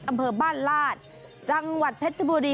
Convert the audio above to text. อำเภอบ้านลาดจังหวัดเพชรบุรี